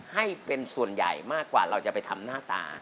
ให้เป็นส่วนใหญ่มากกว่าเราจะไปทำหน้าตา